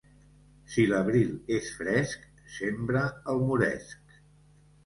Si l'abril és fresc, sembra el moresc.